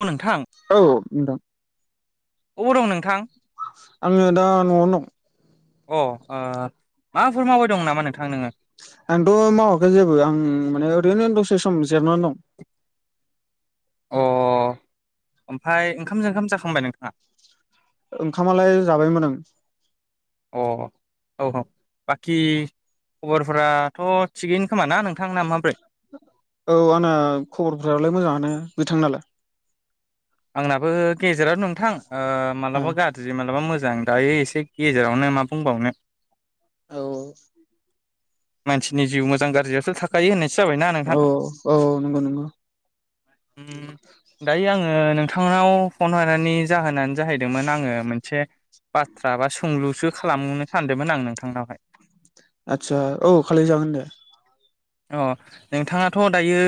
औ नोंथां औ नोंथां। अबाव दं नोंथां? आङो दा न'आवनो दं अ आ। आंथ मावाखै जेबो आं माने ओरैनो दस से सम जेरना दं। अ ओमफाय ओंखाम जोंखाम जाखांबाय नोंथाङा। ओंखामालाय जाबायमोन ओं। अ औ औ बाखि खबरफोराथ थिगैनो खोमा ना नोंथांना माब्रै औ आंना खबरफ्रालाय मोजाङानो बिथां नालाय। आंनाबो गेजेराव नोंथां ओ मालाबा गाज्रि मालाबा मोज जां दायो एसे गेजेरावनो मा बुंबावनो? औ। मानसिनि जिउ मोजां गाज्रियाथ थाखायो होननायसो जाबायना नोंथां। औ नंगौ नंगौ दायो आङो नों थांनाव फन हरनायनि जाहोनानो जाहैदोंमोन आङो मोनसे बाथ्रा बा सोंलुसो खालामनो सानदोमोन आं नोंथांनावहाय। आतसा औ खालि जागोन दे। अ नोंथाङाथ दायो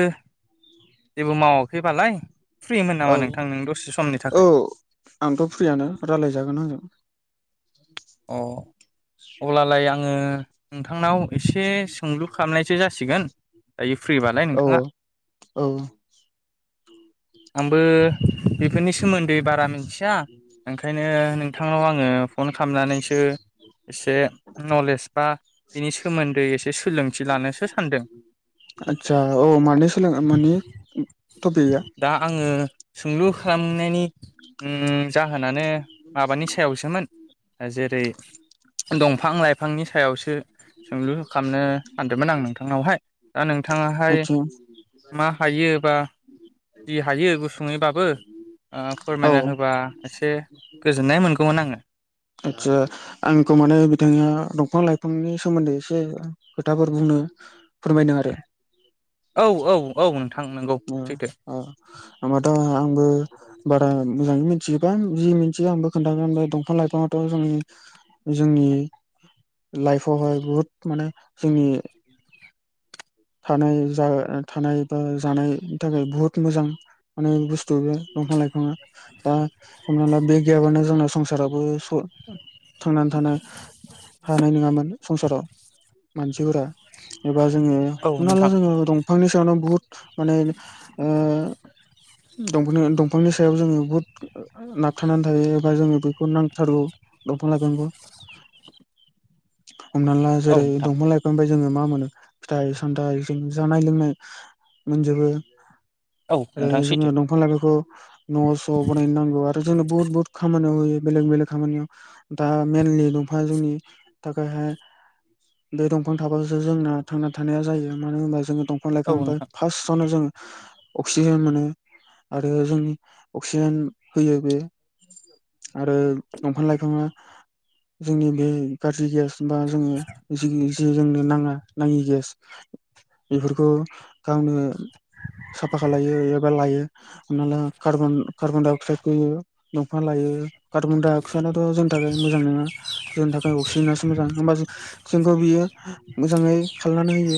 जेबो मावाखैबालाय फ्रिमोन औ नामा नोंथां नों दसे समनि औ थाखाय। आंथ' फ्रियानो रायलायजागोन आंजों अ अब्लालाय आङो नोंथांनाव। एसे सोंलु खालामनायसो जासिगोन दायो। फ्रिबालाय नोंथाङा औ औ। आंबो बेफोरनि सोमोन्दै बारा मिनथि आ ओंखायनो नोंथांनाव आङो फन खामनानैसो एसे नलेज बा बिनि सोमोन्दै एसे सोलोंथि लानोसो सानदों। आतसा औ मानि सोलों मानि थपिकया? दा आङो सोंलु खालामनायनि उम जाहोनानो माबानि सायावसोमोन? जेरै दंफां लाइफांनि सायावसो सोंलु खामनो सानदोमोन आं नोंथांनावहाय दा नों थाङाहाय आदसा मा हायो बा जि हायो गुसुङैबाबो औ फोरमायना होबा एसे गोजोननाय मोनगौमोन आङो। आदसा आंखौ माने बिथाङा दंफां लाइफांनि सोमोन्दै एसे खोथाफोर बुंनो। फोरमायदों आरो औ औ औ। नोंथां नंगौ औ सैथो औ हमबाथ आंबो बारा‌ मोजाङै मिथिजोबा जि मिथियो आंबो खोनथागोन दंफां लाइफाङाथ जोंनि जोंनि लाइफआवहाय बुहुद माने जोंनि थानाय जा थानाय बा जानाय थाखाय बुहुत मोजां माने बुस्थु बे। दंफां लाइफाङा दा हमना ला बे गैयाबानो जोंना संसाराबो स थांना थानो। हानाय नोङामोन संसाराव मानसिफोरा एबा जोङो औ हमना ला नोंथां जोङो दंफांनि सायावनो बुहुत माने ओ दंफां दंफांनि सायाव जोङो बुहुद नाबथानानै थायो एबा जोङो बेखौ नांथारगौ। दंफां लाइफांखौ। [inaudible] हमना ला औ जेरै नोंथां दंफां लाइफांफाय जोङो मा मोनो फिथाइ सामथाइ जों जानाय लोंनाय मोनजोबो। औ आरो नोंथां सैथो जोङो दंफां लाइफांखौ न' स' बनायनो नांगौ आर जोंनो बुहुत बहुत खामानियाव होयो बेलेग बेलेग खामानियाव दा मेनलि दंफाङा जोंनि थाखाय दै दंफां थाबासो जोंना थांना था थानाय जायो मानो होनबा जोङो दंफां औ लाइफांनिफ्राय नोंथां फार्स्टआवनो जोङो। अक्सिजेन मोनो आरो जोंनि अक्सिजेन होयो बे आरो दंफां लाइफाङा जोंनि बे गाज्रि गेस बा जोङो जोंनि जोंनो नाङा नाङि गेस बेफोरखौ गावनो साफा खालायो एबा लायो हमना ला कार्बन-कार्बन दडाइ अक्साइड होयो दंफां लायो। लायो कार्बनडाइ अक्साइड दाथ' जोंनि थाखाय मोजां नङा जोंनि थाखाय अक्सिजनासो मोजां ओमबा जों खौ बियो मोजाङै खालामनानै होयो।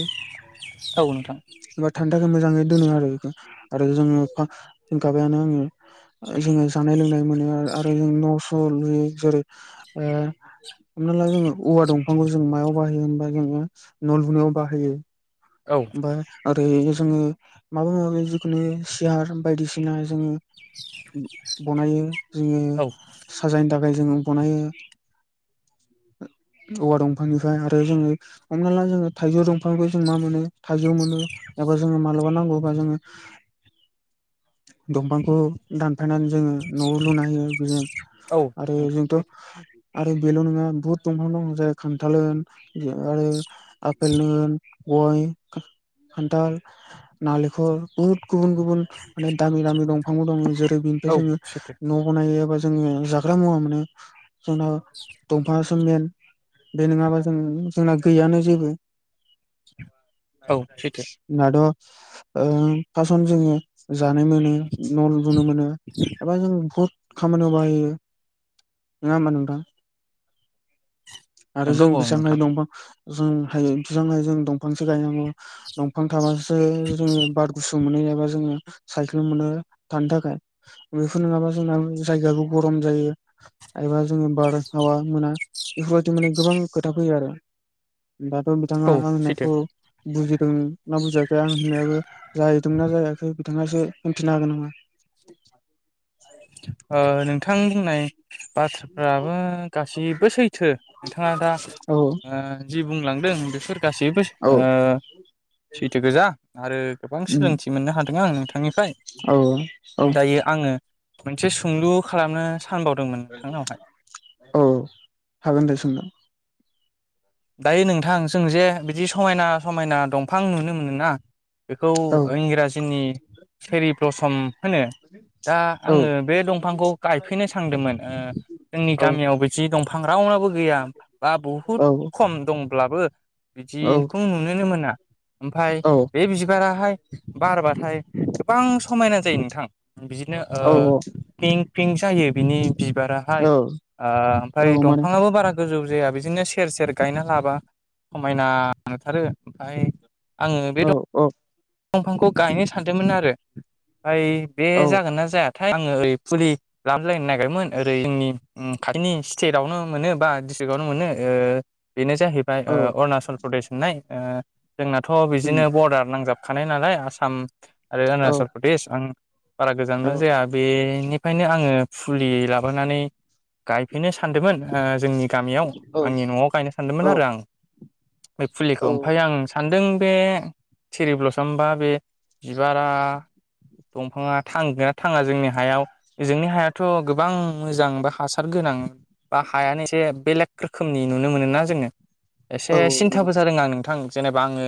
औ नोंथां। एबा थानो मोजाङै दोनो आरो बे आरो जोङो होनखाबायानो आङो जोङो जानाय लोंनाय नाय मोनो आ आरो नों न' स' लुयो जेरै ओ हमना ला जोङो औवा दंफांखौ जों मायाव बाहायो होमबा जोङो न' लुनायाव बाहायो औ ओमफाय आरो‌ जोङो माबा-माबि जिखुनु सियार बायदिसिना जोङो बनायो जोङो औ साजायनो था खाय जोङो बनायो [unintelligible] औवा दंफांनिफ्राय आरो जोङो हमना ला जोङो थाइजौ दंफांनिफाय जों मा मोनो थाइजौ मोनो एबा जोङो मालाबा नांगौबा जोङो दंफांखौ दानफायनानै जोङो न' लुनो होयो बेजों औ आरो नोंथां जोंथ' आरो बेल' नङा बुहुद दंफां दं जाय खान्थाल होन ओ आरो आपेल होन गय खा खान्थाल नालेखर बहुद गुबुन-गुबुन माने दामि-दामि दंफांबो दङ जेरै बेनिफ्राय औ जोङो सैथो न' बनायो एबा जों जोङो जाग्रा मुवा मोनो जोंनाव दंफाङासो मेन बे नोङाबा जों जोंना गैयानो जेबो [inaudible] सैथो [unintelligible] ओ फासन जोङो जानो मोनो न' लुबोनो मोनो एबा जों बहुद खामानियाव बाहायो नोङा होमबा नोंथां। आरो नोंगौ जों औ बेसेबां नोंथां हायो दंफां जों हायो बेसेबां हायो जों दंफांसो गायनांगौ। दंफां थाबोसो जोङो बार गुसु मोनो ए जोङो साइख्लोम मोनो थानो थाखाय बेफोर नङाबा जोंना जायगायाबो गरम जायो एबा जोङो बारहावा मोना बेफोरबायदि माने गोबां खोथा फैयो आरो। दाथ' बिथाङा आं औ सैथो होननायखौ बुजि दों ना बुजायाखै आं होननायाबो जाहैदोंना जाहैयाखै नोंथाङा इसे होनफिननो हागोन नामा? ओ नोंथां बुंनाय बाथ्राफ्राबो गासैबो सैथो नोंथाङा दा औ ओ जि बुंलांदों बेफोर गासैबो सै औ ओ सैथो गोजा आरो गोबां उम सोलोंथि मोननो हादों आं नोंथांनिफ्राय औ औ दायो आङो मोनसे सुंलु खालामनो सानबावदोंमोन नोंथांनावहाय औ हागोन दे सोंनो दायो नोंथां जों जे बिदि समायना-समायना दंफां नुनो मोना बेखौ औ इंराजिनि फेरि प्रसम होनो। दा औ आङो बे दंफांखौ गायफैनो सानदोंमोन ओ जोंनि औ गामियाव बिदि दंफां राव नाव बो गैय बा बुहुत औ खम दंब्लाबो औ बिदिखौ नुनोनो मोना ओमफाय औ बे बिबाराहाय बारबाथाय गोबां समायना जायो नोंथां बिदिनो ओ पिंक पिंक जायो बिनि बिबाराहाय औ ओ‌ औ ओमफ्राय माने दंफाङाबो बारा गोजौ जाया बिदिनो सेर सेर गायना लाबा समायना नुथारो ओमफाय आङो बे औ-औ। दंफांखौ गायनो सानदोंमोन आरो आमफाय बे औ जागोन ना जाया थाय आङो ओरै फुलि लाबोलायनो नागिरदोंमोन ओरै जोंनि ओ‌ खाथिनि स्टेटावनो मोनो बा खावनो मोनो ओ‌ बेनो जाहैबाय ओ‌ औ अरुणाचल प्रदेश होननाय ओ जोंनाथ' उम बिदिनो बरडार नांजाब खानाय नालाय आसाम आरो औ अरुणाचल प्रदेश आं बारा औ गोजानबो जाया बेनि खायनो आङो फुलि लाबोनानै गायफिनो सान सान्दोंमोन ओ जोंनि गामियाव औ आंनि न'आव गायनो सान्दोंमोन औ आरो आं बे फुलिखौ औ ओमफाय आं सानदों बे थेरि ब्लस होमबा बे बिबारा दंफाङा थांगोना थाङा जोंनि हायाव जोंनि हायाथ' गोबां मोजां बा हासारगोन नां बा हायानो एसे बेलेग रोखोमनि नुनो मोनो ना जोङो एसे औ नंगौ सिन्थाबो जादों आं नोंथां जेनेबा आङो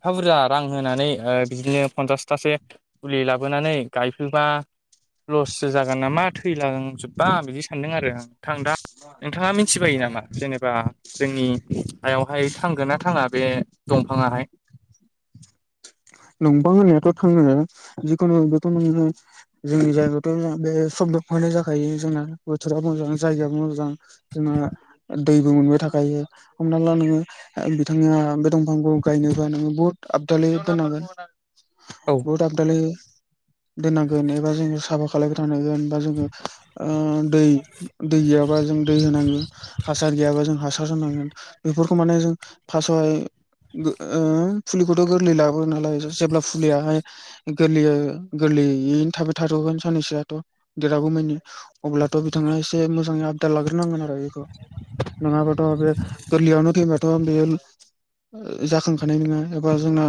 एफा बुरजा रां होनानै बिदिनो पनसासथसो फुलि लाबोनानै गायफैबा लससो जागोन नामा थैलांजोबबा बिदि सानदों आरो आं नोंथां दा नोंथाङा मिथिबायो नामा जेनेबा जोंनि हायावहाय थांगोन ना थाङा बे दंफाङाहाय नंबां होननायाथ' थाङो जिखुनु बेथ' ङो जोंनि जायगायावथ' बे समदहैनाय जाखायो जोंना बोथोराबो मोजां जायगाबो मोजां जोंना दैबो मोनबाय थाख गायो हमना नोङो बिथांआ दंफांखौ गायनोबा नोङो बुहुत आबदलि दोनांगोन औ बहुत आबदाललै दोननांगोन एबा जोङो साफा खा खालामग्रानांगोन बा जोङो दै दै गैयाबा जों दै होनांगोन हासार गैयाबा जों हासार होनांगोन बेफोरखौ माने जों फास्स'हाय ओ फुलिखौथ' गोरलै ला नालाय जेब्ला फुलियाहाय गोरलैयो गोरलैयैनो थाबाय थाथ'गोन साननैसोआथ' देरहागौमनि अब्लाथ' बिथाङा एसे मोजाङै आपडाट लाग्रोनांगोन आरो बेखौ नङा बाथ' बे गैरलैयावनो थैबाथ' बे जाखांखानाय नङा एबा जोंना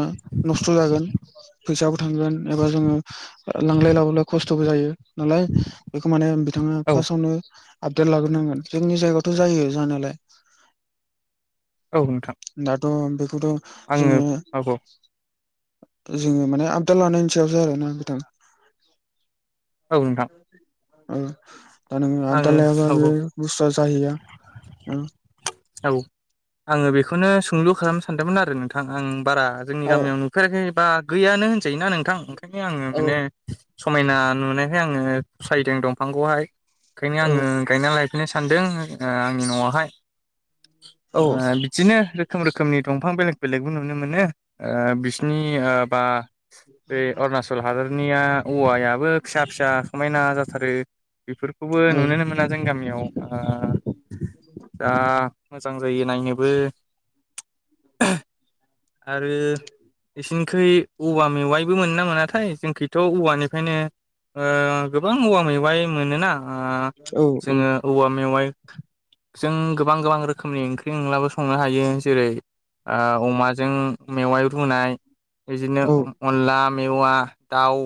नस्थ' जागोन फैसाबो थांगोन एबा जोङो लांलाय लाबोलाय खस्थ'बो जायो नालाय बेखौ माने बिथाङा औ फार्स्टआवनो आपडाल लाग्रोनांगोन जोंनि जायगायावथ' जायो जानायालाय औ नोंथां दाथ' बेखौथ' आङो जोङो औ औ जोङो माने आबदाल लानायनि सायावसो आरोना नोंथां औ नोंथां उम दा नोङो आबदाव आङो लायाबा औ बे औ बुस्थुआ जाहैया उम औ आङो बेखौनो सोंलु खालामनो सानदोंमोन आरो नोंथां आं बारा जोंनि औ गामियाव नुफेराखै बा गैयानो होनजायोना नोंथां ओंखायनो आङो औ माने समायना नुनायखाय आङो फसायदों दंफांखौहाय ओंखायनो औ आङो गायना लाय होनो सानदों ओ आंनि न'आवहाय औ बिदिनो रोखोम रोखोमनि दंफां बेलेग बेलेगबो नुनो मोनो ओ बिसिनि ओ बा बे अरुणचल हादरनिया औवायाबो फिसा फिसा समायना जाथारो बेफोरखौबो नुुनोनो औ मोना जों गामियाव ओ उ जा मोजां जायो नायनोबो ओ आरो इसि खै औवा मेवाइबो मोनो ना मोनाथाय जोंखैथ' औवानिफ्रायनो ओ गोबां औवा मेवाइ मोनोना ओ जोङो औवा मेवाइ जों गोबां गोबां रोखोमनि ओंख्रि ओंलाबो संनो हायो जेरै ओ अमाजों मेवाइ रुनाय बिदिनो औ अनला मेवा दाउ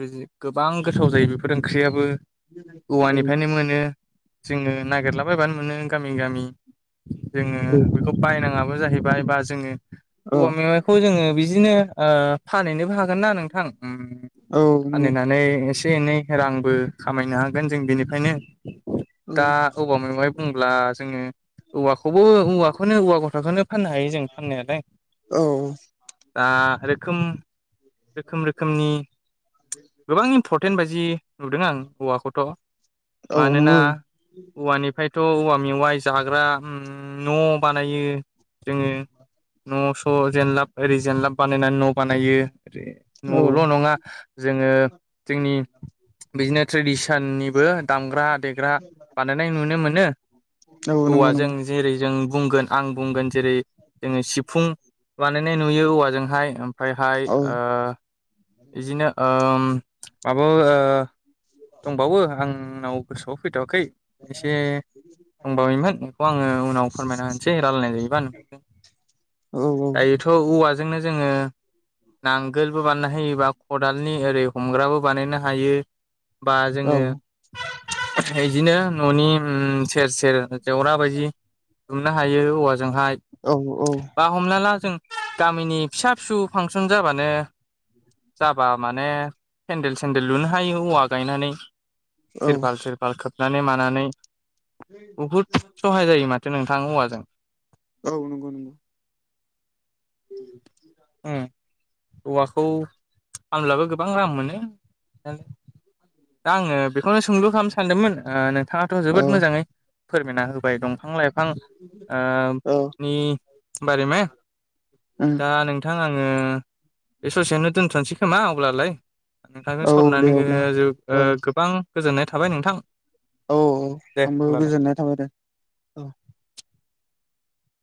बि गोबां गोथाव जायो बेफोर ओंख्रियाबो औवानिफ्रायनो मोनो जोङो नागिरलाबायबानो मोनो गामि गामि जोङो बेखौ बायनाङाबो जाहैबाय बा जोङो औवा मेवाइखौ जोङो बि दिनो ओ फानहैनोबो हागोन ना नोंथां उम औ नंगौ फानहैनानै से एनै रांबो खामायनो हागोन जों बेनिफायनो उम बुंब्ला जोङो औवा खौबो औवाखौनो औवा गथाखौनो फाननो हायो जों फाननायालाय दा रोखोम रोखोम रोखोमनि गोबां इमपरटेन्ट बायदि नुदों आं औवाखौथ' मानोना औवानिफ्रायथ' औवा मेवाय जाह जाग्रा उम न' बानायो जोङो न' स' जेनलाब ओरै जेनलाब बानायनानै न' बानायो औ ओरो न'ल' नङा जोङो जोंनि बिदिनो ट्रेडिसननिबो दामग्रा देग्रा बानायनाय नुनो मोनो औ नंगौ औ नंगौ औवाजों नंगौ जेरै जों बुंगोन आं बुंगोन जेरै जोङो सिफुं बानायनाय नुयो औवाजोंहाय ओमफ्रायहाय औ ओ बिजिनो ओम माबो ओ दंबावो आंनाव गोसोआव फैथ'वाखै एसे दंबावैमोन बेखौ आङो उनाव फोरमायना होनोसै रायलायनाय जायोबा नोंथांजों औ औ दायोथ' औवाजोंनो जोङो नांगोलबो बानायना होयोबा खदालनि ओरै हमग्राबो बानायनो हायो बा औ जोङो बिदिनो न'नि उम सेर सेर जेवरा बायदि दुमनो हायो औवाजोंहाय औ औ बा हमना ला जों गामिनि फिसा फिसौ फांसन जाबानो जाबा माने फेन्देल सेन्देल लुनो हायो औवा गायनानै औ थिरफाल सिरफाल खोबनानै मानानै बहुद सहाय जायो मा नोंथां औवाजों औ नंगौ नंगौ उम औवाखौ फानब्लाबो गोबां रां मोनो दा आङो बेखौनो सोंलु खालामनो सानदोंमोन ओ नों थाङाथ औ जोबोद मोजाङै फोरमायना होबाय दंफां औ लाइ [inaudible] उम दा नोंथां आङो बे ससेयावनो दोनथ'नोसै खोमा अब्लालाय नोंथांजों औ दे सावरायनानै अब्ला औ गोबां गोजोननाय थाबाय नोंथां औ औ दे आंबो अब्लालाय गोजोननाय थाबायदे औ